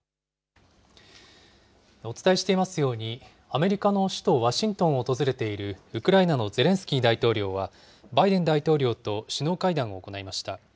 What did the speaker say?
お伝えしていますように、アメリカの首都ワシントンを訪れているウクライナのゼレンスキー大統領は、バイデン大統領と首脳会談を行いました。